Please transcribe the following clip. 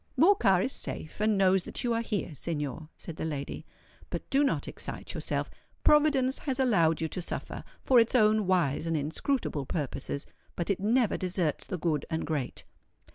"Morcar is safe and knows that you are here, Signor," said the lady. "But do not excite yourself. Providence has allowed you to suffer, for its own wise and inscrutable purposes; but it never deserts the good and great."